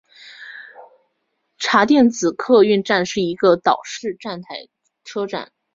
茶店子客运站是一个岛式站台车站。